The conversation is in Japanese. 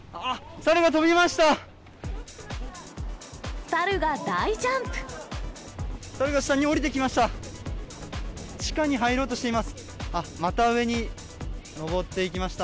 猿が下に下りてきました。